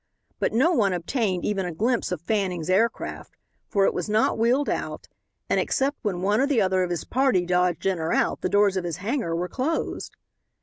But no one obtained even a glimpse of Fanning's air craft, for it was not wheeled out, and, except when one or the other of his party dodged in or out, the doors of his hangar were closed.